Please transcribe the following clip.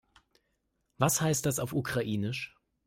Was heißt das auf Ukrainisch?